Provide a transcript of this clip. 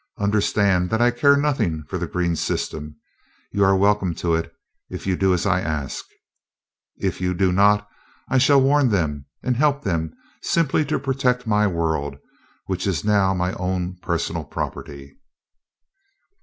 Understand that I care nothing for the green system. You are welcome to it if you do as I ask. If you do not, I shall warn them and help them simply to protect my world, which is now my own personal property."